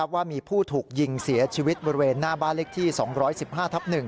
ว่ามีผู้ถูกยิงเสียชีวิตบริเวณหน้าบ้านเลขที่๒๑๕ทับ๑